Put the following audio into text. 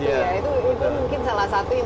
itu mungkin salah satu